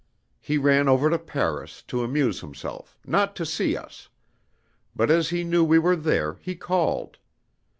He ran over to Paris, to amuse himself, not to see us; but as he knew we were there, he called.